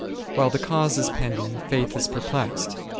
While the cause is pending, Faith is perplexed.